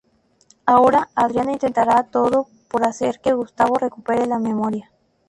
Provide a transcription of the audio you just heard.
Ahora, Adriana intentará todo por hacer que Gustavo recupere la memoria.